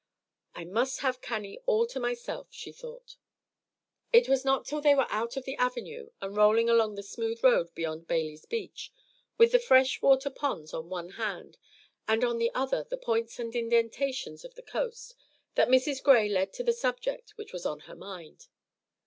"I must have Cannie all to myself," she thought. It was not till they were out of the Avenue and rolling along the smooth road beyond Bailey's Beach, with the fresh water ponds on one hand and on the other the points and indentations of the coast, that Mrs. Gray led to the subject which was on her mind.